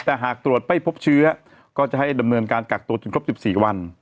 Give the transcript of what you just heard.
แต่หากตรวจไม่พบเชื้อก็จะให้ดำเนินการกักตัวจนครบ๑๔วัน